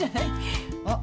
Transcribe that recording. あっ。